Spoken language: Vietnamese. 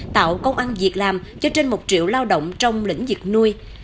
tạo công ăn việc làm cho trên một triệu lao động trong lĩnh vực nuôi